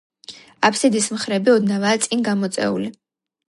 აბსიდის მხრები ოდნავაა წინ გამოწეული.